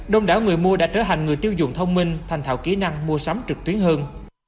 đông đảo người mua đã trở thành người tiêu dùng thông minh thành thạo kỹ năng mua sắm trực tuyến hơn